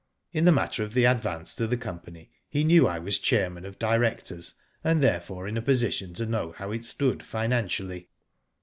In the matter of the advance to the company, he knew I was chairman of directors, and therefore in a position to know how it stood financially.